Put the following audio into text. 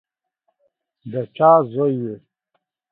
د چا زوی یې؟